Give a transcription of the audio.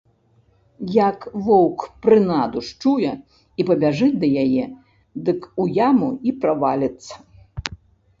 Як воўк прынаду счуе і пабяжыць да яе, дык у яму і праваліцца.